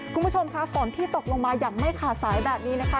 คุณผู้ชมค่ะฝนที่ตกลงมาอย่างไม่ขาดสายแบบนี้นะคะ